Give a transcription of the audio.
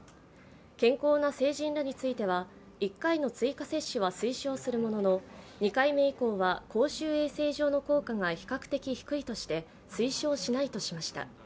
健康な成人らについては１回の追加接種は推奨するものの２回目以降は公衆衛生上の効果が比較的低いとして推奨しないとしました。